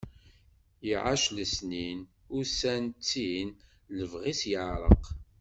Iɛac lesnin, ussan ttin, lebɣi-s yeɛreq.